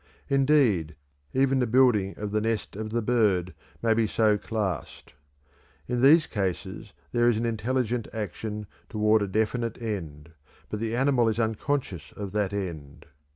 Indeed, even the building of the nest of the bird may be so classed. In these cases there is an intelligent action toward a definite end, but the animal is unconscious of that end.